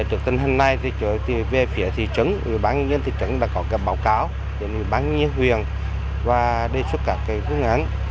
ubnd tỉnh thừa thiên huế đã đề xuất các kỳ cứu nạn